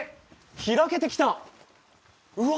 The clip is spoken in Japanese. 開けてきたうわ